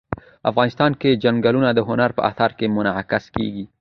افغانستان کې چنګلونه د هنر په اثار کې منعکس کېږي.